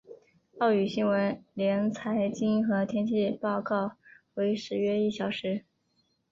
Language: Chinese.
粤语新闻连财经和天气报告为时约一小时。